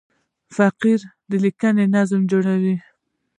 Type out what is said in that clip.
فقره د لیکني نظم جوړوي.